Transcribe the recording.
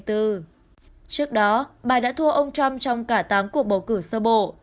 trước đó bà đã thua ông trump trong cả tám cuộc bầu cử sơ bộ